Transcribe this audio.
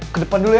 ke depan dulu ya